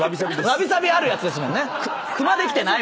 わびさびあるやつですもんね。